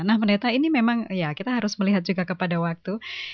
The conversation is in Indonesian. nah pendeta ini memang ya kita harus melihat juga kepada waktu